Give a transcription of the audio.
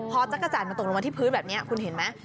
พอจักรจันทร์มันตกลงมาที่พื้นแบบนี้คุณเห็นไหม